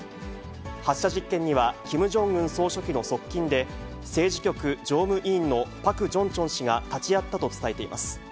発射実験には、キム・ジョンウン総書記の側近で、政治局常務委員のパク・ジョンチョン氏が立ち会ったと伝えています。